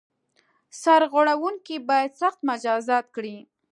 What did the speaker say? سرغړوونکي باید سخت مجازات کړي.